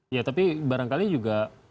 ya tapi barangkali juga